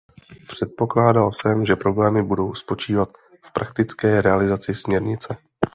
Předpokládal jsem, že problémy budou spočívat v praktické realizaci směrnice.